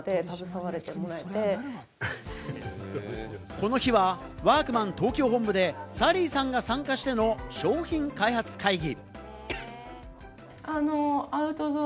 この日はワークマン東京本部でサリーさんが参加しての商品開発会議。